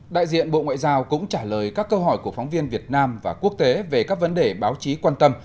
đại diện bộ ngoại giao cũng trả lời các câu hỏi của phóng viên việt nam và quốc tế về các vấn đề báo chí quan tâm